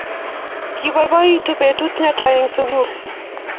Kipoipoiti petut ne tai eng' sukul